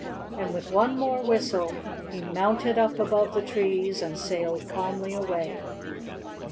And with one more whistle he mounted up above the trees and sailed calmly away.